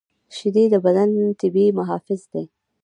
شیدې د بدن طبیعي محافظ دي